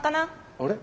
あれ？